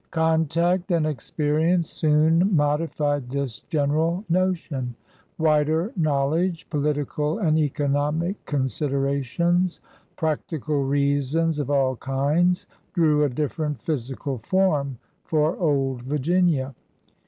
Contact and experience soon modified this gen eral notion. Wider knowledge, political and eco nomic considerations, practical reasons of all kinds, drew a different physical form for old Virginia.